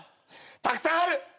たくさんある。